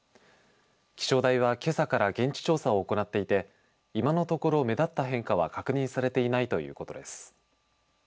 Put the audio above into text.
気象台は、けさから現地調査を行っていて今のところ目立った変化は確認されていないということです。